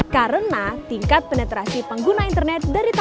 karena kita harus mencari keuangan yang lebih mudah untuk menjaga keuntungan kita